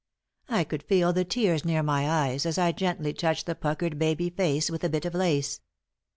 I could feel the tears near my eyes, as I gently touched the puckered baby face with a bit of lace.